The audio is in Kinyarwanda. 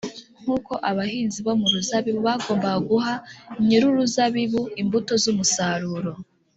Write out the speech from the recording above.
nk’uko abahinzi bo mu ruzabibu bagombaga guha nyir’uruzabibu imbuto z’umusaruro,